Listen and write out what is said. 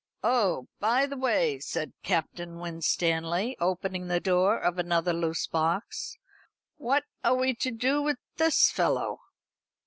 "Oh, by the way," said Captain Winstanley, opening the door of another loose box, "what are we to do with this fellow?"